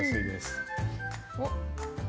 おっ。